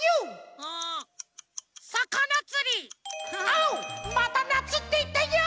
あっまた「なつ」っていったよ！